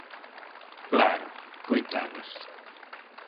-Claro, coitadas...